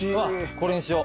これにしよう。